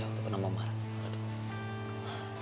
waktu pernah mau marah